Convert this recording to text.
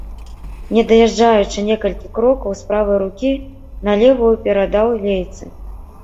Не даязджаючы некалькі крокаў, з правай рукі на левую перадаў лейцы.